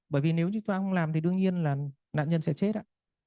bởi vì nếu chúng ta không làm thì đương nhiên là nạn nhân sẽ chết ạ